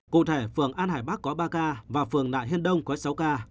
cụ thể phường an hải bắc có ba ca và phường nại hiên đông có sáu ca